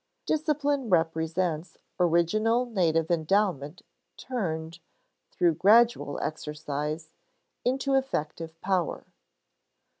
Discipline represents original native endowment turned, through gradual exercise, into effective power.